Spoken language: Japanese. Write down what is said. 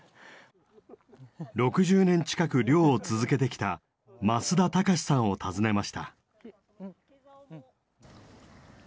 ６０年近く漁を続けてきた増田崇さんを訪ねました。